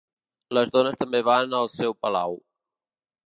Les dones també van al seu palau.